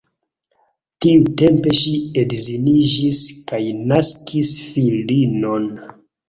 Tiutempe ŝi edziniĝis kaj naskis filinon.